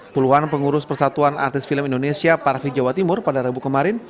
puluhan pengurus persatuan artis film indonesia parvi jawa timur pada rabu kemarin